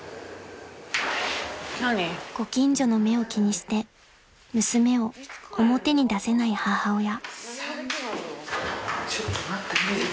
［ご近所の目を気にして娘を表に出せない母親］